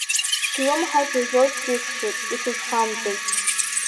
Слымҳа сажьоз џьысшьеит, исызхамҵеит.